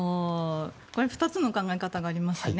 これは２つの考え方がありますよね。